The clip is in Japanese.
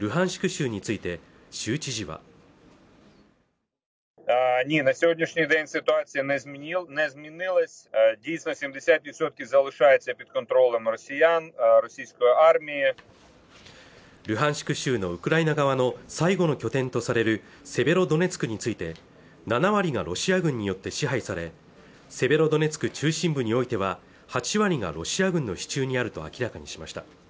州について州知事はルハンシク州のウクライナ側の最後の拠点とされるセベロドネツクについて７割がロシア軍によって支配されセベロドネツク中心部においては８割がロシア軍の手中にあると明らかにしました